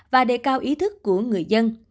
và đề cao ý thức của người dân